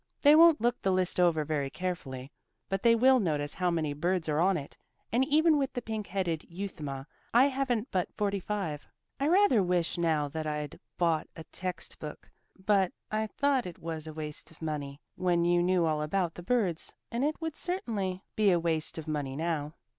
They won't look the list over very carefully, but they will notice how many birds are on it, and even with the pink headed euthuma I haven't but forty five. I rather wish now that I'd bought a text book, but I thought it was a waste of money when you knew all about the birds, and it would certainly be a waste of money now."